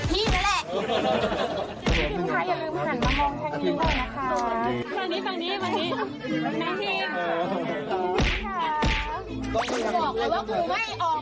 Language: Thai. ใครมึงหันไปมองแผ่นนี้หน่อยนะคะ